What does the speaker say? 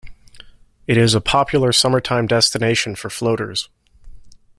It is a popular summertime destination for floaters.